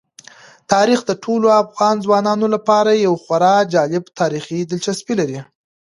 تاریخ د ټولو افغان ځوانانو لپاره یوه خورا جالب تاریخي دلچسپي لري.